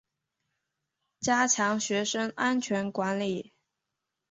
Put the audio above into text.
加强学生安全管理